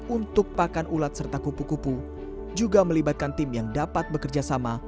untuk pakan ulat serta kupu kupu juga melibatkan tim yang dapat bekerja sama